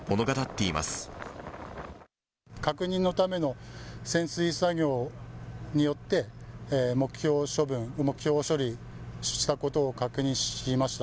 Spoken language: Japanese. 確認のための潜水作業によって、目標処理したことを確認しました。